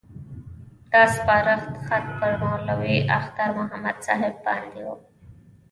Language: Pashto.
دا سپارښت خط پر مولوي اختر محمد صاحب باندې وو.